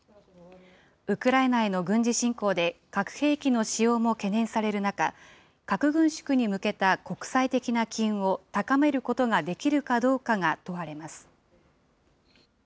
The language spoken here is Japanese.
ウクライナへの軍事侵攻で、核兵器の使用も懸念される中、核軍縮に向けた国際的な機運を高めることができるかどうかが問われます。